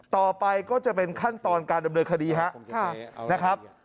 ต่อไปก็จะเป็นขั้นตอนการดำเนินคดีครับนะครับ